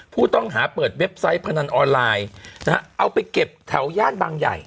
ผู้ต้องหาเปิดเว็บไซต์พนันออนไลน์นะฮะเอาไปเก็บแถวย่านบางใหญ่